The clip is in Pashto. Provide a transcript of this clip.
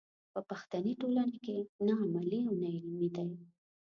په پښتني ټولنه کې نه عملي او نه علمي دی.